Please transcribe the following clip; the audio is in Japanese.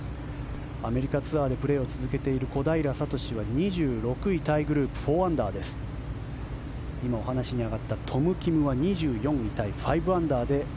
アメリカツアーでプレーを続けている小平智は２６位タイグループ４アンダーです。